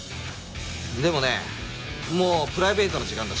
でもねもうプライベートな時間だし。